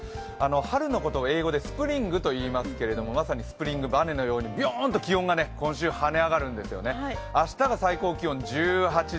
春のことを英語でスプリングといいますけれども、まさにスプリング、ばねのようにビョンと今週、跳ね上がるんですよね、明日が最高気温、１８度。